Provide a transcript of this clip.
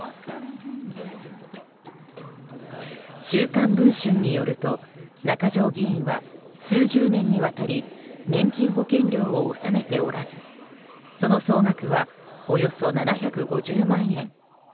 「週刊文春」によると中条議員は数十年にわたり年金保険料を納めておらずその総額はおよそ７５０万円。